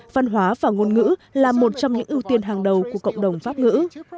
văn hóa và ngôn ngữ là một trong những ưu tiên hàng đầu của cộng đồng pháp ngữ